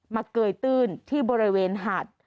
เกยตื้นที่บริเวณหาด